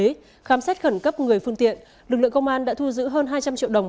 khi khám xét khẩn cấp người phương tiện lực lượng công an đã thu giữ hơn hai trăm linh triệu đồng